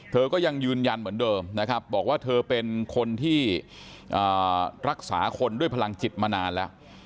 เธอก็ยังยืนยันเหมือนเดิมนะครับบอกว่าเธอเป็นคนที่รักษาคนด้วยพลังจิตมานานแล้ว